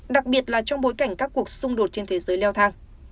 đặc biệt là trong bối cảnh các cuộc xung đột trên thế giới leo thang